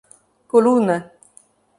Coluna